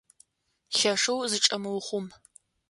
Лъэшэу зычӏэмыухъум!